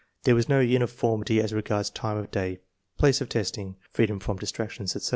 There was no uniformity as regards time of day, place of testing, freedom from distractions, etc.